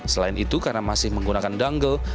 selain itu karena masih menggunakan dungle